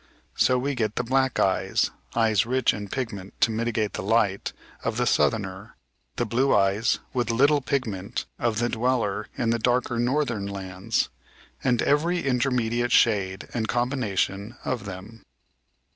So we get the black eyes (eyes rich in pigment, to mitigate the light) of the southerner, the blue eyes (with little pigment) of the dweller in the darker northern lands, and every intermediate shade and combination of them.